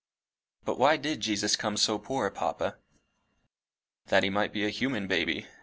"But why did Jesus come so poor, papa?" "That he might be just a human baby.